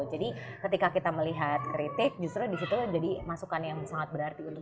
jadi ketika kita melihat kritik justru di situ jadi masukan yang sangat berarti untuk kita